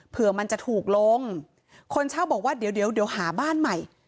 เผื่อมันจะถูกลงคนเช่าบอกว่าเดี๋ยวเดี๋ยวหาบ้านใหม่